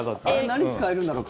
何に使えるんだろう？